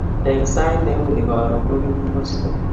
Eng saait neu ni koron kokimii Boston